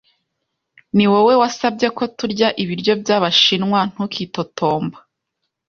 Niwowe wasabye ko turya ibiryo byabashinwa, ntukitotomba.